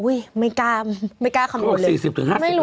อุ๊ยไม่กล้าคำนวณเลย